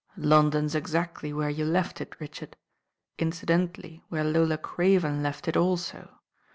"London's ex «ty where you eft it, Richard, incidentally where Lo a Craven left it also.